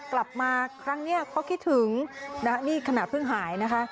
กลับมาครั้งนี้เขาคิดถึงนี่ขณะเพิ่งหายนะคะ